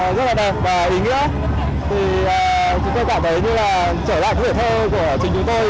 chúng tôi cảm thấy như là trở lại giải thơ của chúng chúng tôi những năm kể trước